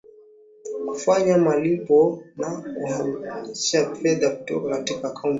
kufanya malipo na kuhamisha fedha kutoka katika akaunti hizo